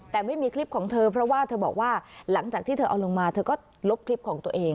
แต่ไม่มีคลิปของเธอเพราะว่าเธอบอกว่าหลังจากที่เธอเอาลงมาเธอก็ลบคลิปของตัวเอง